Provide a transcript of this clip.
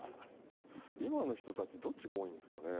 今の人たちどっちが多いんですかね？